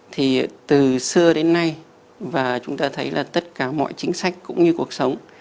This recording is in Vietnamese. thì từ xưa đến nay và chúng ta thấy là tất cả mọi chính sách cũng như cuộc sống